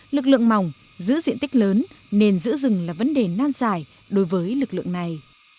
lực lượng mỏng giữ diện tích lớn nên giữ rừng là vấn đề nan dài đối với lực lượng này